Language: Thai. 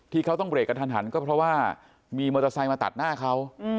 ที่เขาต้องเรกกระทันหันก็เพราะว่ามีมอเตอร์ไซค์มาตัดหน้าเขา